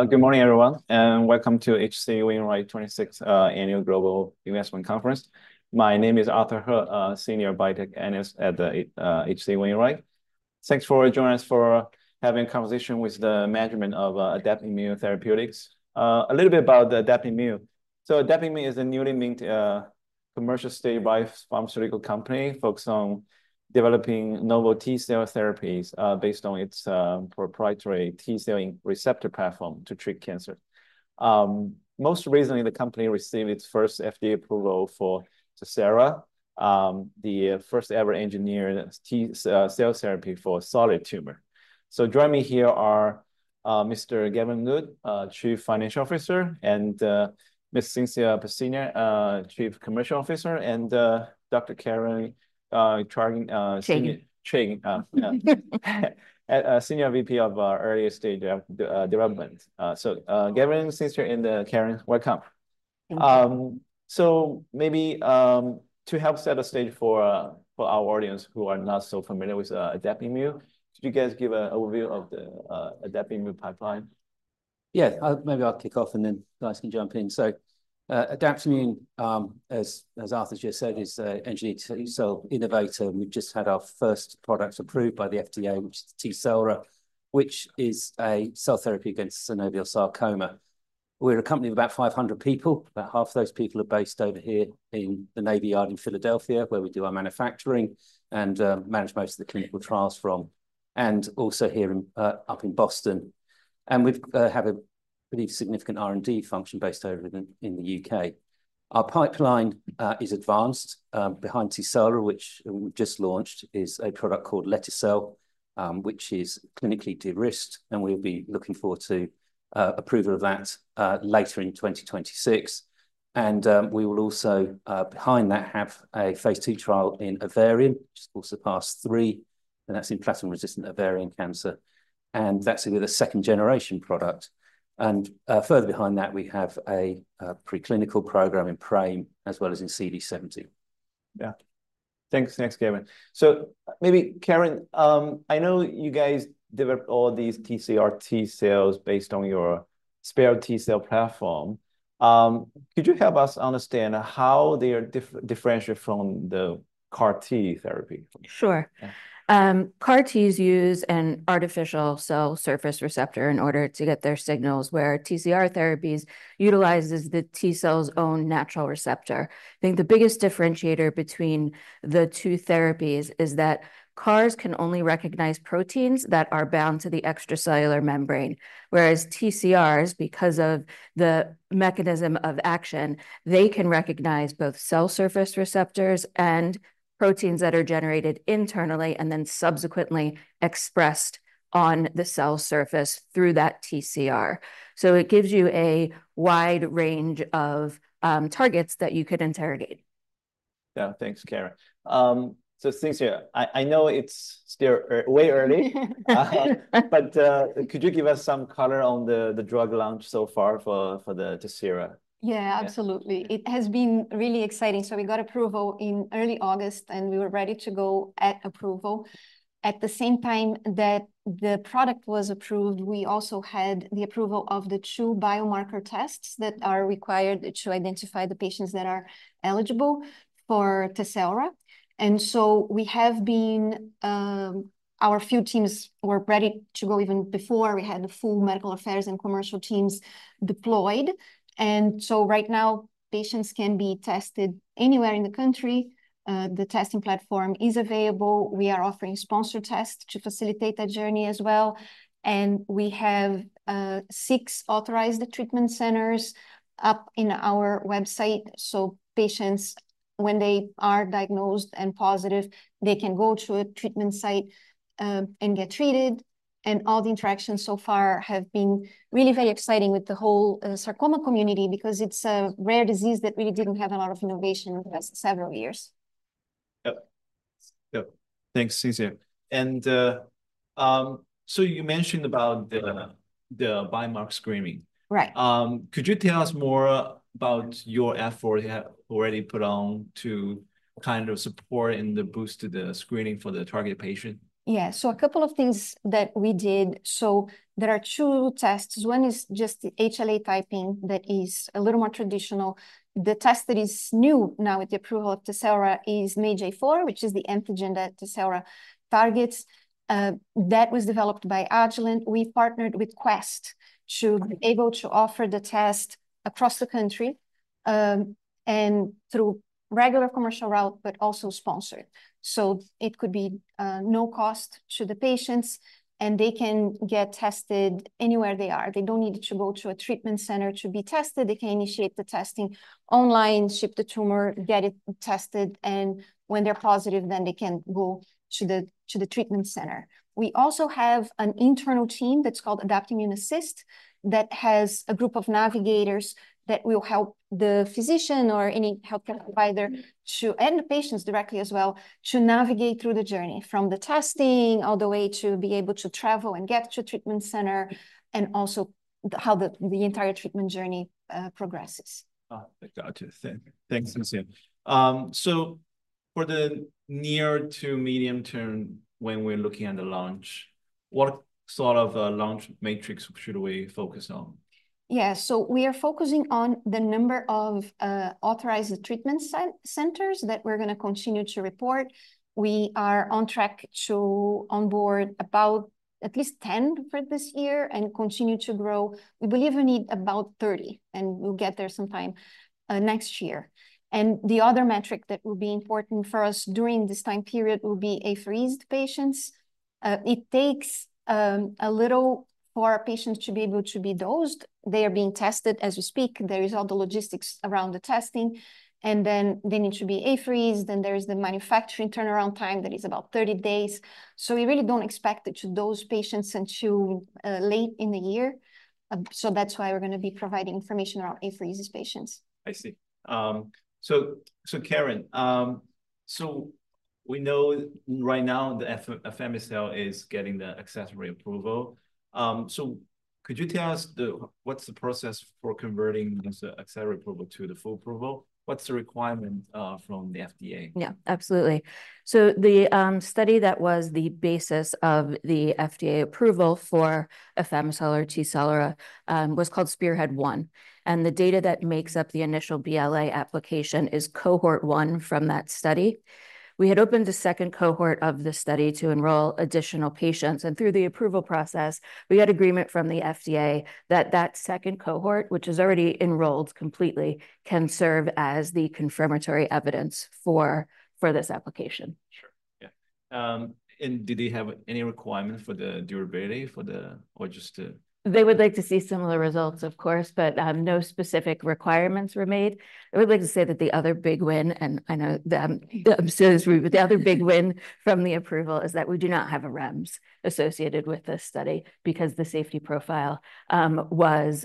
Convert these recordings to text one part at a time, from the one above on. Good morning, everyone, and welcome to H.C. Wainwright 26th Annual Global Investment Conference. My name is Arthur He, Senior Biotech Analyst at the H.C. Wainwright. Thanks for joining us for having a conversation with the management of Adaptimmune Therapeutics. A little bit about Adaptimmune. Adaptimmune is a newly minted commercial-stage biopharmaceutical company focused on developing novel T cell therapies based on its proprietary T cell receptor platform to treat cancer. Most recently, the company received its first FDA approval for Tecelra, the first-ever engineered T cell therapy for solid tumor. Joining me here are Mr. Gavin Wood, Chief Financial Officer, and Ms. Cintia Piccina, Chief Commercial Officer, and Dr. Karen Miller. Cheng... Cheng. Senior VP of Early Stage Development. So, Gavin, Cintia, and Karen, welcome. Thank you. So maybe, to help set the stage for our audience who are not so familiar with Adaptimmune, could you guys give an overview of the Adaptimmune pipeline? Yeah, maybe I'll kick off, and then guys can jump in. So, Adaptimmune, as Arthur just said, is a engineered T cell innovator, and we've just had our first product approved by the FDA, which is Tecelra, which is a cell therapy against synovial sarcoma. We're a company of about 500 people. About half those people are based over here in the Navy Yard in Philadelphia, where we do our manufacturing and manage most of the clinical trials from, and also here in up in Boston. And we've have a pretty significant R&D function based over in the UK. Our pipeline is advanced. Behind Tecelra, which we've just launched, is a product called lete-cel, which is clinically de-risked, and we'll be looking forward to approval of that later in twenty twenty-six. We will also behind that have a phase II trial in ovarian, which is also phase III, and that's in platinum-resistant ovarian cancer, and that's with a second-generation product. Further behind that, we have a preclinical program in PRAME as well as in CD70. Yeah. Thanks. Thanks, Gavin. So maybe, Karen, I know you guys developed all these TCR T-cells based on your SPEAR T-cell platform. Could you help us understand how they are differentiated from the CAR-T therapy? Sure. Yeah. CAR-Ts use an artificial cell surface receptor in order to get their signals, where TCR therapies utilizes the T-cell's own natural receptor. I think the biggest differentiator between the two therapies is that CARs can only recognize proteins that are bound to the extracellular membrane, whereas TCRs, because of the mechanism of action, they can recognize both cell surface receptors and proteins that are generated internally and then subsequently expressed on the cell surface through that TCR, so it gives you a wide range of targets that you could interrogate. Yeah. Thanks, Karen. So Cintia, I know it's still way early, but could you give us some color on the drug launch so far for Tecelra? Yeah, absolutely. Yeah. It has been really exciting. So we got approval in early August, and we were ready to go at approval. At the same time that the product was approved, we also had the approval of the two biomarker tests that are required to identify the patients that are eligible for Tecelra. And so we have been. Our few teams were ready to go even before we had the full medical affairs and commercial teams deployed. And so right now, patients can be tested anywhere in the country. The testing platform is available. We are offering sponsor tests to facilitate that journey as well, and we have six authorized treatment centers on our website. So patients, when they are diagnosed and positive, they can go to a treatment site and get treated. And all the interactions so far have been really very exciting with the whole sarcoma community because it's a rare disease that really didn't have a lot of innovation over the last several years. Yep. Yep. Thanks, Cintia, and so you mentioned about the biomarker screening. Right. Could you tell us more about your effort you have already put on to kind of support and then boost the screening for the target patient? Yeah. So a couple of things that we did. So there are two tests. One is just the HLA typing that is a little more traditional. The test that is new now with the approval of Tecelra is MAGE-A4, which is the antigen that Tecelra targets. That was developed by Agilent. We've partnered with Quest to be able to offer the test across the country, and through regular commercial route, but also sponsored. So it could be no cost to the patients, and they can get tested anywhere they are. They don't need to go to a treatment center to be tested. They can initiate the testing online, ship the tumor, get it tested, and when they're positive, then they can go to the treatment center. We also have an internal team that's called Adaptimmune Assist, that has a group of navigators that will help the physician or any healthcare provider to, and the patients directly as well, to navigate through the journey, from the testing all the way to be able to travel and get to a treatment center, and also how the entire treatment journey progresses. Ah, gotcha. Thank you. Thanks, Cintia. For the near to medium term, when we're looking at the launch, what sort of launch metrics should we focus on? Yeah, so we are focusing on the number of authorized treatment centers that we're gonna continue to report. We are on track to onboard about at least ten for this year and continue to grow. We believe we need about thirty, and we'll get there sometime next year, and the other metric that will be important for us during this time period will be apheresis patients. It takes a little for our patients to be able to be dosed. They are being tested as we speak. There is all the logistics around the testing, and then they need to be apheresis, then there is the manufacturing turnaround time, that is about thirty days. So we really don't expect to dose patients until late in the year, so that's why we're gonna be providing information around apheresis patients. I see. So, Karen, so we know right now that afami-cel is getting the accelerated approval. So could you tell us what's the process for converting this accelerated approval to the full approval? What's the requirement from the FDA? Yeah, absolutely. So the study that was the basis of the FDA approval for afami-cel or Tecelra was called SPEARHEAD-1, and the data that makes up the initial BLA application is cohort one from that study. We had opened a second cohort of the study to enroll additional patients, and through the approval process, we had agreement from the FDA that that second cohort, which is already enrolled completely, can serve as the confirmatory evidence for this application. Sure, yeah, and do they have any requirement for the durability for the... or just to- They would like to see similar results, of course, but no specific requirements were made. I would like to say that the other big win, and I know that I'm saying this, but the other big win from the approval is that we do not have a REMS associated with this study, because the safety profile was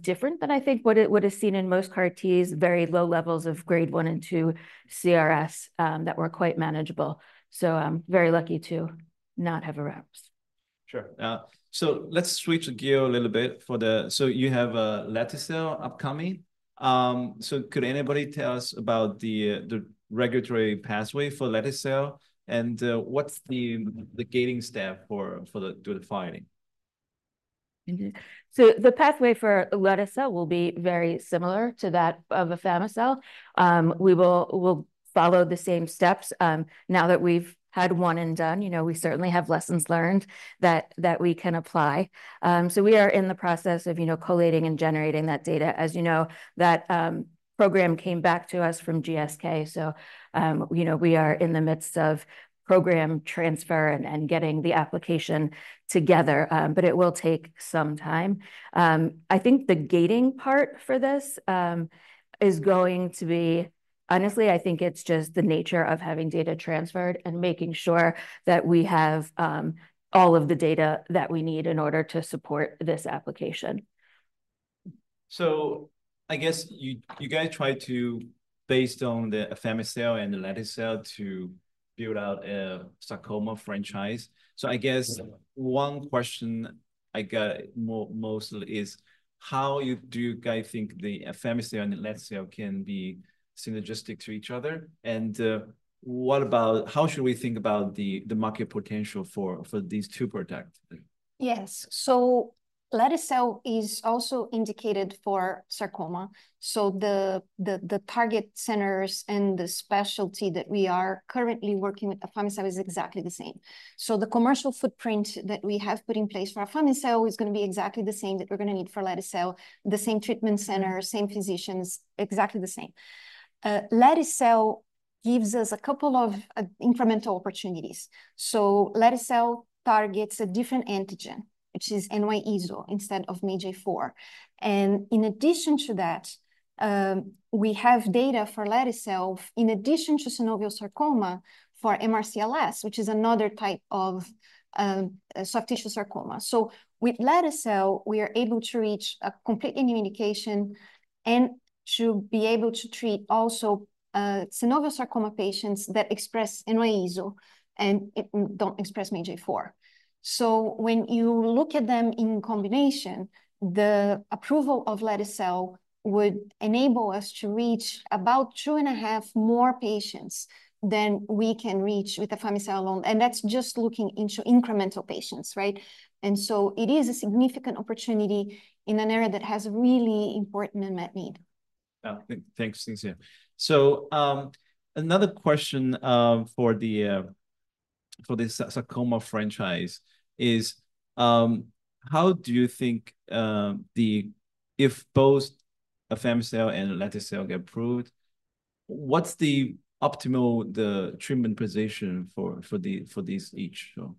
different than I think what it would have seen in most CAR-Ts, very low levels of grade one and two CRS, that were quite manageable. So I'm very lucky to not have a REMS. Sure. So let's switch gear a little bit for the... So you have lete-cel upcoming. So could anybody tell us about the regulatory pathway for lete-cel, and what's the gating step for the filing? So the pathway for lete-cel will be very similar to that of afami-cel. We will, we'll follow the same steps. Now that we've had one and done, you know, we certainly have lessons learned that we can apply. So we are in the process of, you know, collating and generating that data. As you know, that program came back to us from GSK, so, you know, we are in the midst of program transfer and getting the application together, but it will take some time. I think the gating part for this is going to be. Honestly, I think it's just the nature of having data transferred and making sure that we have all of the data that we need in order to support this application. So I guess you guys tried to, based on the afami-cel and the lete-cel, to build out a sarcoma franchise. So I guess- One question I get more, mostly is, how do you guys think the afami-cel and the lete-cel can be synergistic to each other? And, what about, how should we think about the market potential for these two products? Yes. So lete-cel is also indicated for sarcoma. So the target centers and the specialty that we are currently working with afami-cel is exactly the same. So the commercial footprint that we have put in place for afami-cel is gonna be exactly the same that we're gonna need for lete-cel, the same treatment center, same physicians, exactly the same. lete-cel gives us a couple of incremental opportunities. So lete-cel targets a different antigen, which is NY-ESO-1 instead of MAGE-A4. And in addition to that, we have data for lete-cel, in addition to synovial sarcoma, for MRCLS, which is another type of soft tissue sarcoma. So with lete-cel, we are able to reach a completely new indication and to be able to treat also synovial sarcoma patients that express NY-ESO-1 and don't express MAGE-A4. So when you look at them in combination, the approval of lete-cel would enable us to reach about two and a half more patients than we can reach with afami-cel alone, and that's just looking into incremental patients, right? And so it is a significant opportunity in an area that has a really important unmet need. Thanks, Cintia. So, another question for the sarcoma franchise is, how do you think... If both afami-cel and lete-cel get approved, what's the optimal treatment position for each, so?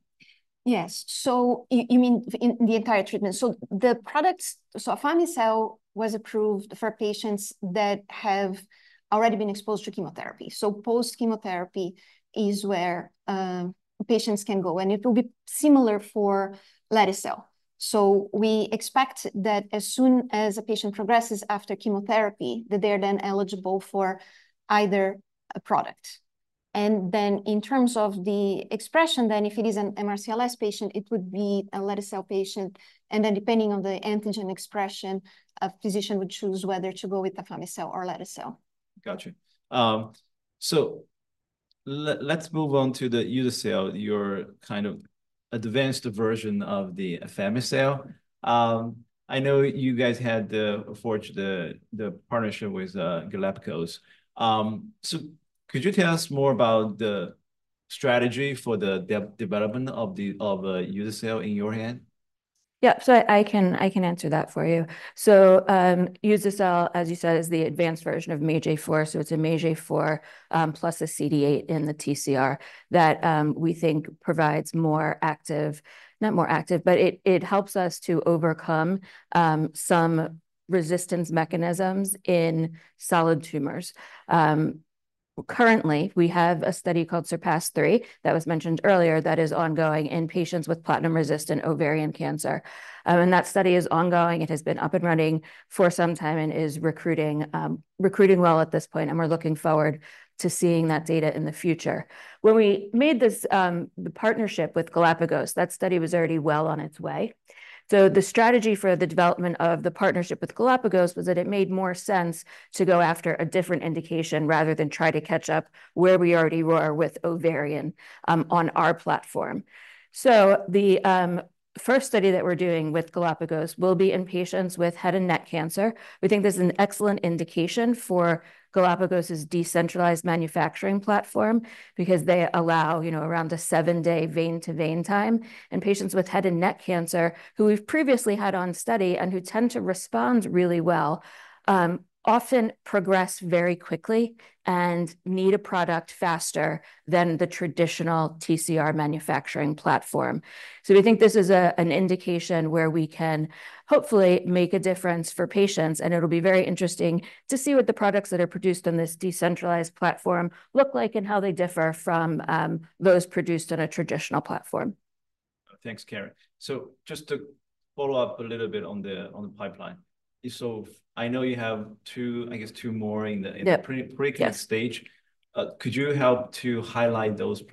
Yes. So you mean in the entire treatment? So the products, so afami-cel was approved for patients that have already been exposed to chemotherapy. So post-chemotherapy is where patients can go, and it will be similar for lete-cel. So we expect that as soon as a patient progresses after chemotherapy, that they're then eligible for either product. ... and then in terms of the expression, then if it is an MRCLS patient, it would be a lete-cel patient, and then depending on the antigen expression, a physician would choose whether to go with afami-cel or lete-cel. Gotcha. So let's move on to the uza-cel, your kind of advanced version of the afami-cel. I know you guys had forged the partnership with Galapagos. So could you tell us more about the strategy for the development of the uza-cel in your hand? Yeah, so I can answer that for you. So, uza-cel, as you said, is the advanced version of MAGE-A4, so it's a MAGE-A4 plus a CD8 in the TCR that we think provides more active... not more active, but it helps us to overcome some resistance mechanisms in solid tumors. Currently, we have a study called SURPASS-3, that was mentioned earlier, that is ongoing in patients with platinum-resistant ovarian cancer. And that study is ongoing. It has been up and running for some time and is recruiting well at this point, and we're looking forward to seeing that data in the future. When we made this, the partnership with Galapagos, that study was already well on its way. So the strategy for the development of the partnership with Galapagos was that it made more sense to go after a different indication rather than try to catch up where we already were with ovarian, on our platform. So the first study that we're doing with Galapagos will be in patients with head and neck cancer. We think this is an excellent indication for Galapagos's decentralized manufacturing platform because they allow, you know, around a seven-day vein to vein time, and patients with head and neck cancer, who we've previously had on study and who tend to respond really well, often progress very quickly and need a product faster than the traditional TCR manufacturing platform. So we think this is an indication where we can hopefully make a difference for patients, and it'll be very interesting to see what the products that are produced on this decentralized platform look like and how they differ from those produced on a traditional platform. Thanks, Karen. So just to follow up a little bit on the pipeline. So I know you have two, I guess, two more in the- Yeah. Pretty, pretty late stage. Could you help to highlight those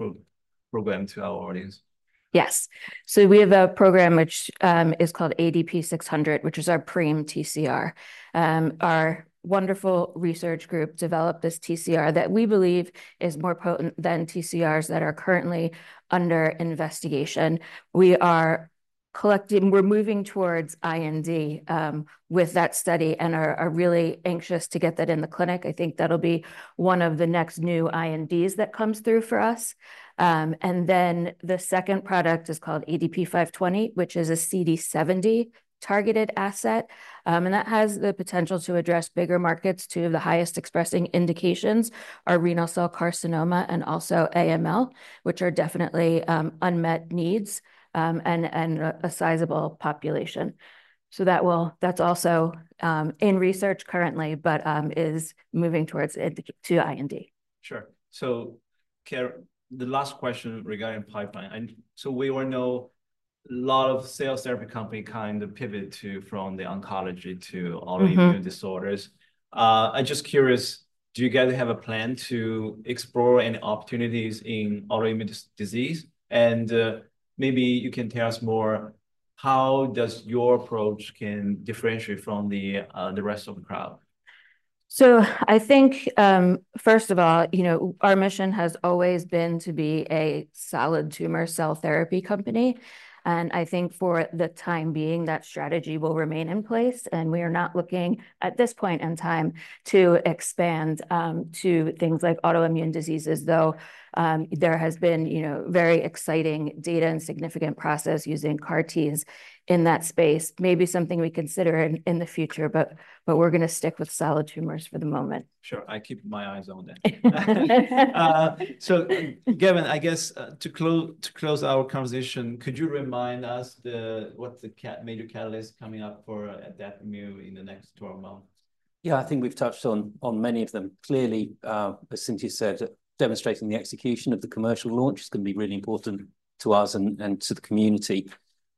programs to our audience? Yes. So we have a program which is called ADP-600, which is our PRAME TCR. Our wonderful research group developed this TCR that we believe is more potent than TCRs that are currently under investigation. We're moving towards IND with that study and are really anxious to get that in the clinic. I think that'll be one of the next new INDs that comes through for us. And then the second product is called ADP-520, which is a CD70-targeted asset, and that has the potential to address bigger markets. Two of the highest expressing indications are renal cell carcinoma and also AML, which are definitely unmet needs and a sizable population. That's also in research currently, but is moving towards IND. Sure. So, Karen, the last question regarding pipeline, and so we all know a lot of cell therapy company kind of pivot to, from the oncology to-... autoimmune disorders. I'm just curious, do you guys have a plan to explore any opportunities in autoimmune disease? And, maybe you can tell us more, how does your approach can differentiate from the rest of the crowd? So I think, first of all, you know, our mission has always been to be a solid tumor cell therapy company, and I think for the time being, that strategy will remain in place, and we are not looking, at this point in time, to expand, to things like autoimmune diseases, though, there has been, you know, very exciting data and significant process using CAR-Ts in that space. Maybe something we consider in the future, but we're gonna stick with solid tumors for the moment. Sure, I keep my eyes on that. So, Gavin, I guess, to close our conversation, could you remind us, what's the major catalyst coming up for Adaptimmune in the next twelve months? Yeah, I think we've touched on many of them. Clearly, as Cintia said, demonstrating the execution of the commercial launch is gonna be really important to us and to the community.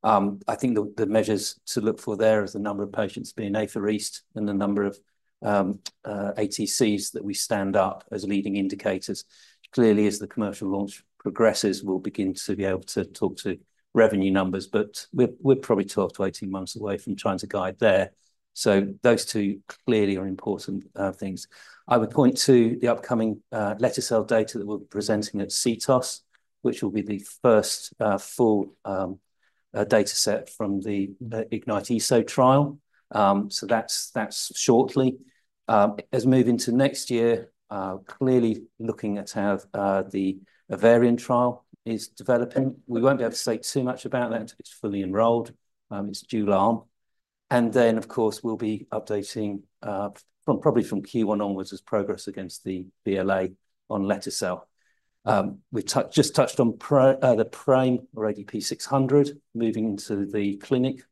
I think the measures to look for there is the number of patients being apheresed and the number of ATCs that we stand up as leading indicators. Clearly, as the commercial launch progresses, we'll begin to be able to talk to revenue numbers, but we're probably 12-18 months away from trying to guide there. So those two clearly are important things. I would point to the upcoming lete-cel data that we'll be presenting at CTOS, which will be the first full data set from the IGNITE-ESO trial. So that's shortly. As we move into next year, clearly looking at how the ovarian trial is developing. We won't be able to say too much about that until it's fully enrolled. It's dual arm. And then, of course, we'll be updating, probably from Q1 onwards, as progress against the BLA on lete-cel. We just touched on the PRAME or ADP-600, moving into the clinic,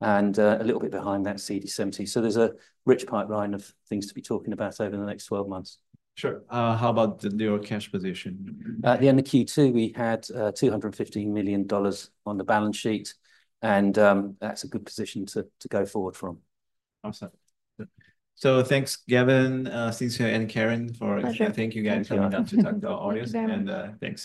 and a little bit behind that CD70. So there's a rich pipeline of things to be talking about over the next twelve months. Sure. How about your cash position? At the end of Q2, we had $250 million on the balance sheet, and that's a good position to go forward from. Awesome. So thanks, Gavin, Cintia, and Karen, for- Pleasure. Thank you. Thank you guys for coming down to talk to our audience. Thank you... and, thanks.